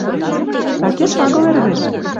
Такеш агыл Ӹрвӹж.